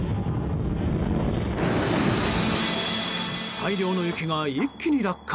大量の雪が一気に落下。